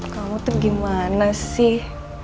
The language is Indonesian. kamu tuh gimana sih